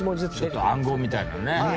ちょっと暗号みたいなのね。